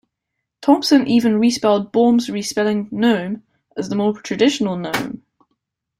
Thompson even respelled Baum's respelling "Nome" as the more traditional "Gnome".